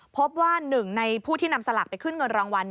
พบว่าหนึ่งในผู้ที่นำสลากไปขึ้นเงินรางวัล